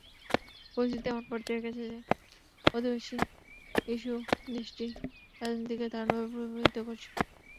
পরিস্থিতি এমন পর্যায়ে গেছে যে, অভিবাসী ইস্যু দেশটির রাজনীতিকে দারুণভাবে প্রভাবিত করছে।